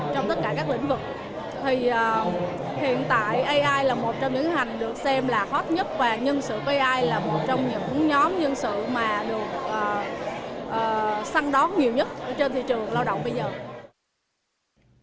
trong tất cả các lĩnh vực thì hiện tại ai là một trong những ngành được xem là hot nhất và nhân sự ai là một trong những nhóm nhân sự mà được săn đón nhiều nhất trên thị trường lao động bây giờ